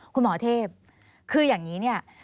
คุณหมอเทพคืออย่างนี้เนี่ย